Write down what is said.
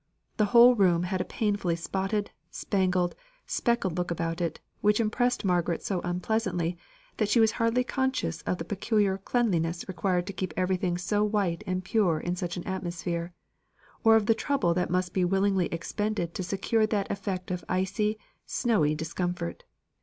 The whole room had a painfully spotted, spangled, speckled look about it, which impressed Margaret so unpleasantly that she was hardly conscious of the peculiar cleanliness required to keep everything so white and pure in such an atmosphere, or of the trouble that must be willingly expended to secure that effect of icy, snowy discomfort.